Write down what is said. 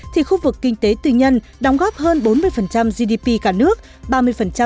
thì khu vực kinh tế tư nhân đóng góp hơn bốn mươi gdp cả nước